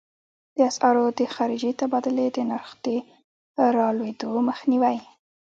د اسعارو د خارجې تبادلې د نرخ د رالوېدو مخنیوی.